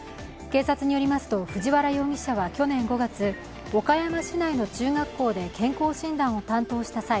警察によりますと藤原容疑者は去年５月、岡山市内の中学校で健康診断を担当した際